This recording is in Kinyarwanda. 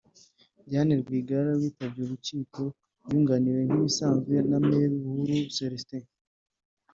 Diane Rwigara yitabye urukiko yunganiwe nk’ibisanzwe na Me Buhuru Célestin